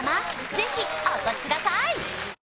ぜひお越しください